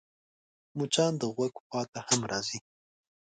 مچان د غوږ خوا ته هم راځي